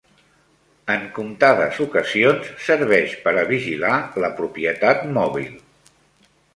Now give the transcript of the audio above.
En comptades ocasions serveix per a vigilar la propietat mòbil.